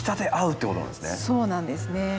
そうなんですね。